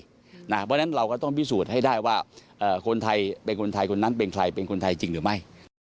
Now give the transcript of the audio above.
เพราะฉะนั้นเราก็ต้องพิสูจน์ให้ได้ว่าคนไทยเป็นคนไทยคนนั้นเป็นใครเป็นคนไทยจริงหรือไม่